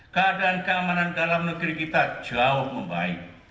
keadaan keamanan dalam negeri kita jauh membaik